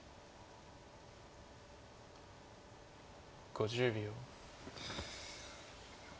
５０秒。